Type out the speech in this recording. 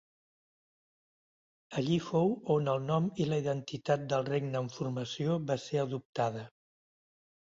Allí fou on el nom i la identitat del regne en formació va ser adoptada.